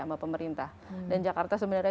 sama pemerintah dan jakarta sebenarnya